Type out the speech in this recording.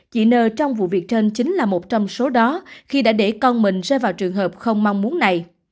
chị nơ trong vụ việc trên chính là một trong số đó khi đã để con mình rơi vào trường hợp không mong muốn này